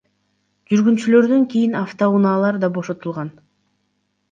Жүргүнчүлөрдөн кийин автоунаалар да бошотулган.